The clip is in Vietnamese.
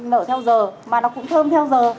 nở theo giờ mà nó cũng thơm theo giờ